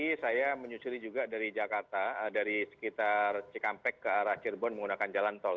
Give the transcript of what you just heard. ini saya menyusuri juga dari jakarta dari sekitar cikampek ke arah cirebon menggunakan jalan tol